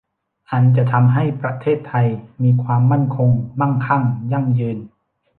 อันจะทำให้ประเทศไทยมีความมั่นคง มั่งคั่ง ยั่งยืน